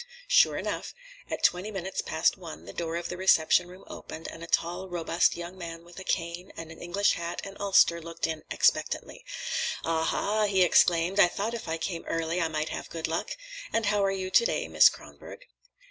Sure enough, at twenty minutes past one the door of the reception room opened, and a tall, robust young man with a cane and an English hat and ulster looked in expectantly. "Ah—ha!" he exclaimed, "I thought if I came early I might have good luck. And how are you to day, Miss Kronborg?"